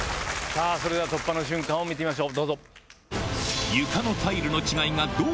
それでは突破の瞬間を見てみましょう。